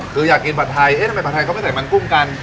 คืออยากกินผัดไทยเอ๊ะทำไมผัดไทยเขาไม่ใส่มันกุ้งกัน